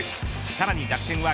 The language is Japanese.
さらに楽天は